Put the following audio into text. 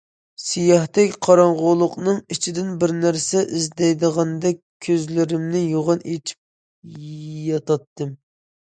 سىياھتەك قاراڭغۇلۇقنىڭ ئىچىدىن بىر نەرسە ئىزدەيدىغاندەك كۆزلىرىمنى يوغان ئېچىپ ياتاتتىم.